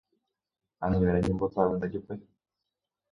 Anive reñembotavy ndejupe